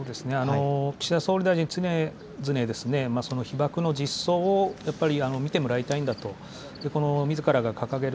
岸田総理大臣、常々その被爆の実相をやっぱり見てもらいたいんだというみずからが掲げる